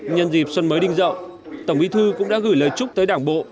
nhân dịp xuân mới đinh dậu tổng bí thư cũng đã gửi lời chúc tới đảng bộ